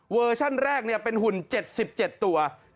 ชั่นแรกเป็นหุ่น๗๗ตัว